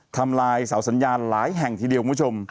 ทำลายสาวสัญญาณหลายแห่งทีเดียว